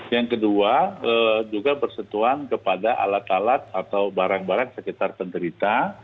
yang kedua juga bersetuan kepada alat alat atau barang barang sekitar penderita